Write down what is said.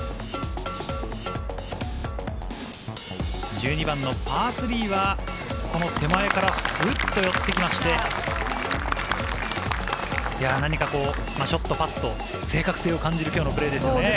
１２番のパー３は手前からスッと寄ってきまして、ショット、パット、正確性を感じる今日のプレーです。